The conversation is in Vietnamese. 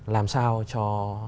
làm sao cho